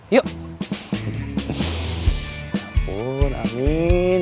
ya ampun amin